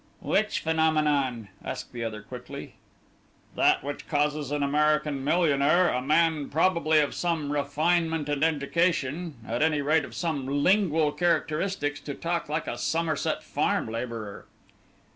"Which phenomenon?" asked the other, quickly. "That which causes an American millionaire, a man probably of some refinement and education, at any rate of some lingual characteristics, to talk like a Somerset farm labourer."